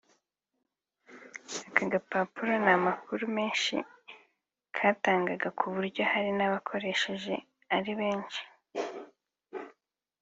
“Aka gapapuro nta makuru menshi katangaga ku buryo hari n’abagakoreshaga ari benshi